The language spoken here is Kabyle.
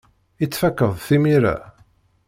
I tfakeḍ-t imir-a?